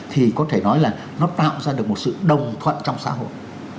thì có thể nói là nó tạo ra được một sự đồng thuận trong xã hội